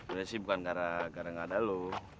itu sih bukan gara gara gak ada lo